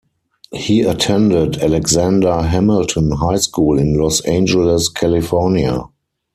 He attended Alexander Hamilton High School in Los Angeles, California.